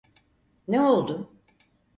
Ne oldu?